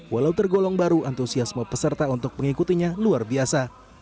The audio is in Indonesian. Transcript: walau tergolong baru antusiasme peserta untuk mengikutinya luar biasa